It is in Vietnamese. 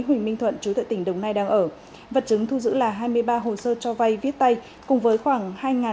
huỳnh minh thuận chú tại tỉnh đồng nai đang ở vật chứng thu giữ là hai mươi ba hồ sơ cho vay viết tay cùng với khoảng